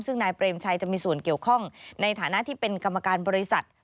ซึ่งนายเปรมชัยจะมีส่วนเกี่ยวข้องในฐานะที่เป็นกรรมการบริษัท